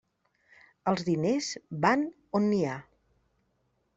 Els diners van on n'hi ha.